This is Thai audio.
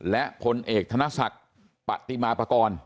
และพลเอกธนศักดิ์ปฏิมาปากร